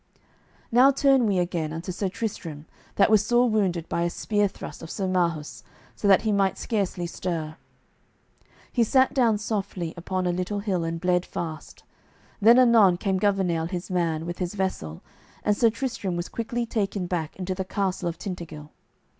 Now turn we again unto Sir Tristram, that was sore wounded by a spear thrust of Sir Marhaus so that he might scarcely stir. He sat down softly upon a little hill, and bled fast. Then anon came Gouvernail, his man, with his vessel, and Sir Tristram was quickly taken back into the castle of Tintagil.